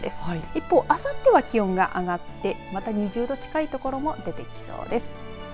一方、あさっては気温が上がってまた２０度近い所も出てきそうです。